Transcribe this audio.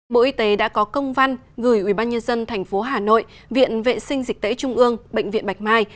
bộ y tế đã có công văn gửi ubnd tp hà nội viện vệ sinh dịch tễ trung ương bệnh viện bạch mai